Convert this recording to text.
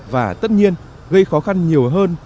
và tất nhiên gây khó khăn nhiều hơn